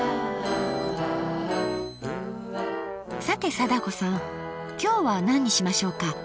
さて貞子さん今日は何にしましょうか。